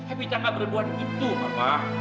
evita gak berdua begitu mama